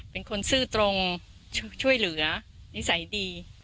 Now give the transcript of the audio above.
เป็นคนซื่อตรงช่วยเหลือนิสัยดี